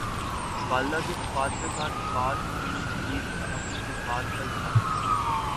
والدہ کی وفات کے سال بعد صنم سعید کا اپنے جذبات کا اظہار